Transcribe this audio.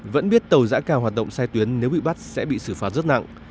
vẫn biết tàu giã cào hoạt động sai tuyến nếu bị bắt sẽ bị xử phạt rất nặng